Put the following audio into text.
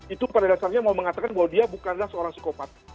itu pada dasarnya mau mengatakan bahwa dia bukanlah seorang psikopat